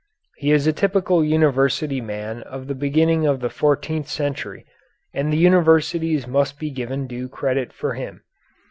He is a typical university man of the beginning of the fourteenth century, and the universities must be given due credit for him.